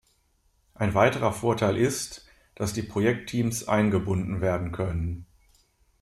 Ein weiterer Vorteil ist, dass die Projektteams eingebunden werden können.